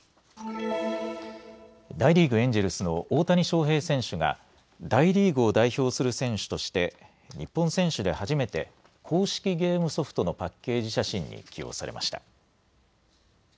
大リーグ、エンジェルスの大谷翔平選手が大リーグを代表する選手として日本選手で初めて公式ゲームソフトのパッケージ写真に起用されました。